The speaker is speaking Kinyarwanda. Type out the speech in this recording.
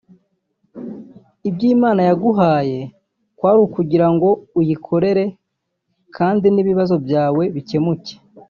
Ibyo Imana yaguhaye kwari ukugira ngo uyikorere kandi n’ibibazo byawe bikemuke